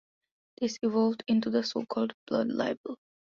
This evolved into the so-called blood libel.